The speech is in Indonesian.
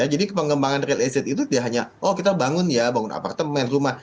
jadi pengembangan real estate itu tidak hanya oh kita bangun ya bangun apartemen rumah